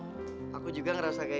gimana dan apa